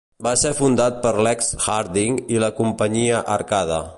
Va ser fundat per Lex Harding i la companyia Arcade.